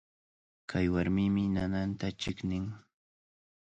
Kay warmimi nananta chiqnin.